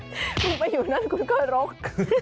คุณไปอยู่นั่นคุณก็รก